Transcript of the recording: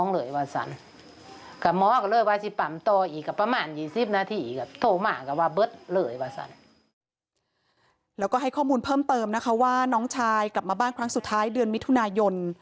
แล้วก็ให้ข้อมูลเพิ่มเติมนะคะว่าน้องชายกลับมาบ้านครั้งสุดท้ายเดือนมิถุนายน